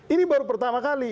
ini baru pertama kali